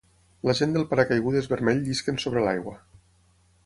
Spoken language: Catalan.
La gent del paracaigudes vermell llisquen sobre l'aigua.